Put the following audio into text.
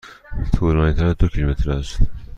طولانی تر از دو کیلومتر است.